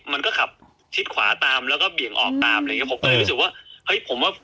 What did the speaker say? มันก็ขับชิดขวาตามแล้วก็เบี่ยงออกตามอะไรอย่างเงี้ผมก็เลยรู้สึกว่าเฮ้ยผมว่า